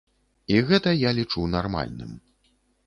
І гэта я лічу нармальным.